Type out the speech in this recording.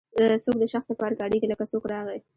څوک د شخص لپاره کاریږي لکه څوک راغی.